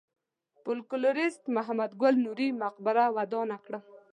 د فولکلوریست محمد ګل نوري مقبره ودانه کړم.